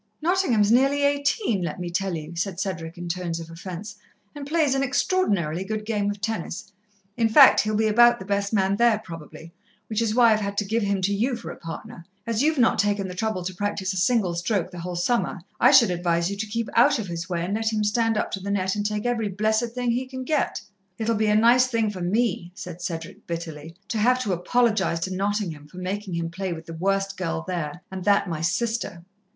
"Nottingham is nearly eighteen, let me tell you," said Cedric in tones of offence, "and plays an extraordinarily good game of tennis. In fact, he'll be about the best man there probably, which is why I've had to give him to you for a partner. As you've not taken the trouble to practise a single stroke the whole summer, I should advise you to keep out of his way, and let him stand up to the net and take every blessed thing he can get. "It'll be a nice thing for me," said Cedric bitterly, "to have to apologize to Nottingham for making him play with the worst girl there, and that my sister."